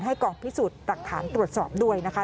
กองพิสูจน์หลักฐานตรวจสอบด้วยนะคะ